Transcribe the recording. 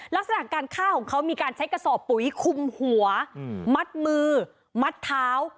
ลักษณะการฆ่าของเขามีการใช้กระสอบปุ๋ยคุมหัวมัดมือมัดเท้า